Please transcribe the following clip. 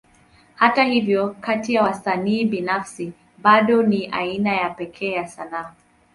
Hata hivyo, kati ya wasanii binafsi, bado ni aina ya pekee ya sanaa.